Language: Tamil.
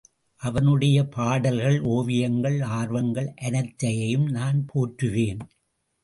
அவனுடைய பாடல்கள், ஓவியங்கள், ஆர்வங்கள் அனைத்தையும் நான் போற்றுவேன்.